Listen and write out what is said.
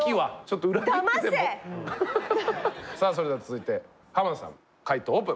さあそれでは続いて濱田さん解答オープン。